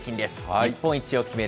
日本一を決める